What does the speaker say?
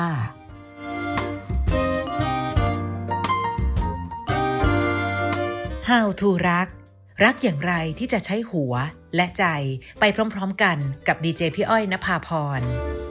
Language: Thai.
โปรดติดตามตอนต่อไป